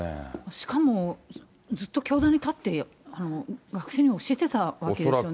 しかもずっと教壇に立って学生に教えてたわけですよね。